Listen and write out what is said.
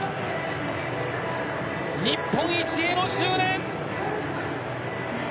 日本一への執念！